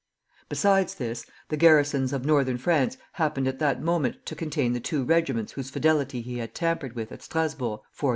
Besides this, the garrisons of northern France happened at that moment to contain the two regiments whose fidelity he had tampered with at Strasburg four years before.